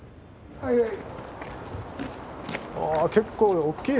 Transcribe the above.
はいはい。